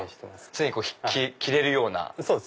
常に着れるような。